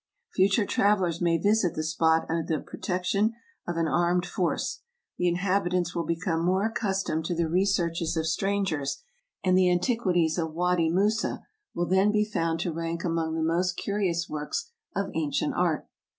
Future travelers may visit the spot under the protection of an armed force ; the inhabitants will become more accustomed to the researches of strangers, ASIA 285 and the antiquities of Wady Moussa will then be found to rank among the most curious works of ancient art.